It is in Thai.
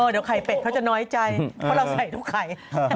เดี๋ยวไข่เป็ดเขาจะน้อยใจเพราะเราใส่ทุกไข่